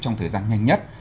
trong thời gian nhanh nhất